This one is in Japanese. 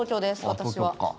私は。